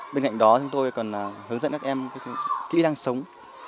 bên cạnh đó chúng tôi còn hướng dẫn các em kỹ năng sống